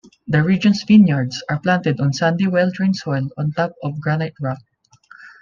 The region's vineyards are planted on sandy well-drained soil on top of granite rock.